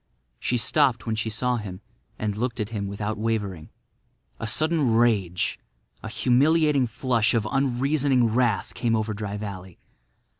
She stopped when she saw him and looked at him without wavering. A sudden rage—a humiliating flush of unreasoning wrath—came over Dry Valley.